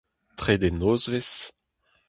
Trede nozvezh.